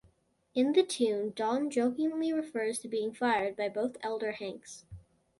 In the tune Don jokingly refers to being fired by both elder Hanks.